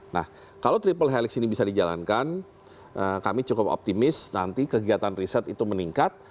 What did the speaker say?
nah kalau triple helix ini bisa dijalankan kami cukup optimis nanti kegiatan riset itu meningkat